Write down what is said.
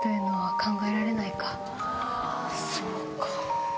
そうか。